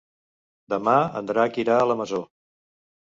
Demà en Drac irà a la Masó.